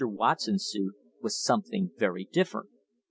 Watson's suit was something very different.